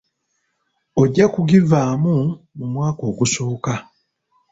Ojja kugivaamu mu mwaka ogusooka.